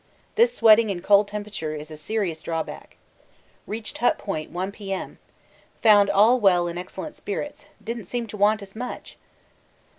This sweating in cold temperature is a serious drawback. Reached Hut Point 1 P.M. Found all well in excellent spirits didn't seem to want us much!!